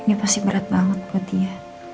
ini pasti berat banget buat dia